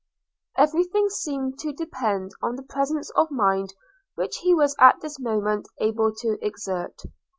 Every thing seemed to depend on the presence of mind which he was at this moment able to exert.